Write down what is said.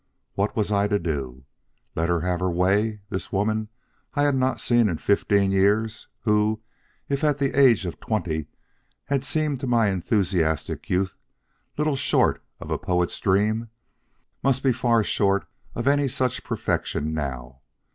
What was I to do? Let her have her way this woman I had not seen in fifteen years, who if at the age of twenty had seemed to my enthusiastic youth little short of a poet's dream, must be far short of any such perfection now?